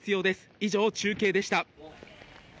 以上、中継でした。